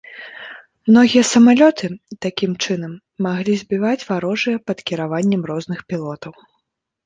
Многія самалёты, такім чынам, маглі збіваць варожыя пад кіраваннем розных пілотаў.